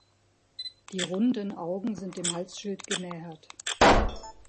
Die runden Augen sind dem Halsschild genähert.